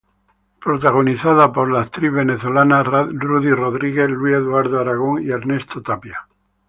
Protagonizada por la actriz venezolana Ruddy Rodríguez, Luis Eduardo Arango y Ernesto Tapia.